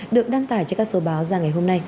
được đăng tải trên các số báo ra ngày hôm nay